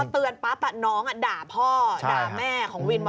พอเตือนปั๊บน้องด่าพ่อก็เนี่ย